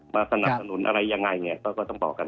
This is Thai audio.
สนับสนุนอะไรยังไงเนี่ยก็ต้องบอกกัน